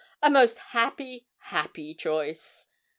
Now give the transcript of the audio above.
A most happy, happy choice.'